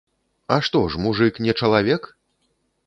А што ж, мужык не чалавек?